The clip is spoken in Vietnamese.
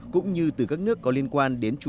cũng như từ các nước có liên quan đến chủ